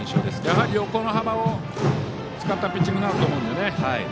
やはり横の幅を使ったピッチングになると思いますので。